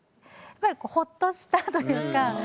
やっぱりほっとしたというか。